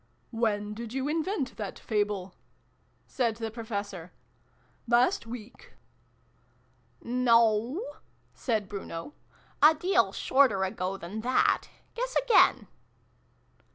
" When did you invent that Fable ?" said the Professor. " Last week ?" "No!" said Bruno. "A deal shorter ago than that. Guess again